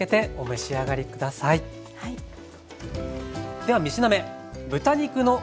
では３品目。